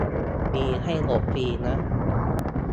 มีให้โหลดฟรีนะ